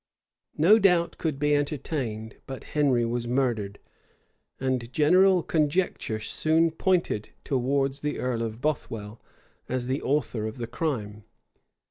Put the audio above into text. [*] No doubt could be entertained but Henry was murdered; and general conjecture soon pointed towards the earl of Bothwell as the author of the crime.